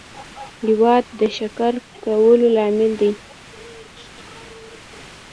هېواد د شکر کولو لامل دی.